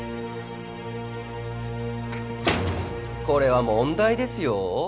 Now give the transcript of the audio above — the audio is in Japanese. これは問題ですよ